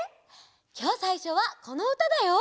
きょうさいしょはこのうただよ。